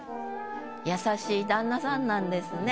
優しい旦那さんなんですね。